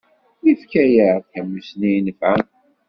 Yefka-aɣ-d tamussni inefɛen.